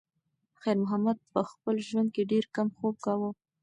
خیر محمد په خپل ژوند کې ډېر کم خوب کاوه.